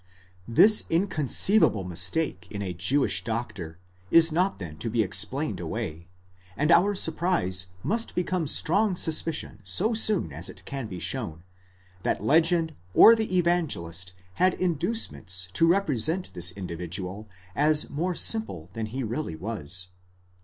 This inconceivable mistake in a Jewish doctor is not then to be explained away, and our surprise must become strong suspicion so soon as it can be shown, that legend or the Evangelist had inducements to represent this individual as more simple than he really was.